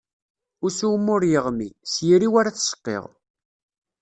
Ussu-w ma ur yeɣmi, s yiri-iw ara ad t-seqqiɣ.